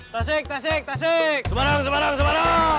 tasik tasik tasik semarang semarang